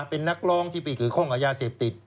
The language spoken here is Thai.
เป็นนักรองที่ไปขึ้นข้องกับยาเสพติด